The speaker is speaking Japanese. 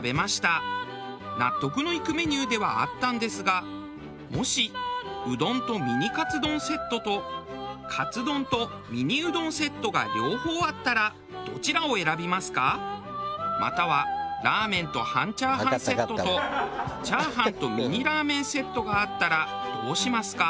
納得のいくメニューではあったんですがもしうどんとミニカツ丼セットとカツ丼とミニうどんセットが両方あったらまたはラーメンと半チャーハンセットとチャーハンとミニラーメンセットがあったらどうしますか？